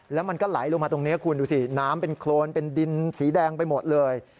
แล้วมันก็ไหลลงมาตรงนี้คุณดูสิน้ำเป็นโครนเป็นดินสีแดงไปหมดเลย